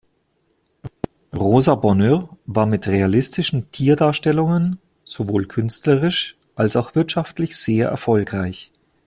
Rosa Bonheur war mit realistischen Tierdarstellungen sowohl künstlerisch, als auch wirtschaftlich sehr erfolgreich.